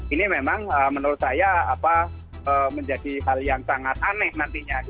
ini memang menurut saya menjadi hal yang sangat aneh nantinya